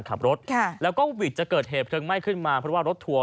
ขับรถค่ะแล้วก็วิทย์จะเกิดเหตุเพลิงไหม้ขึ้นมาเพราะว่ารถทัวร์